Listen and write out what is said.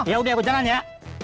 ya udah kujalan ya